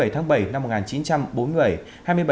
hai mươi bảy tháng bảy năm một nghìn chín trăm bốn mươi bảy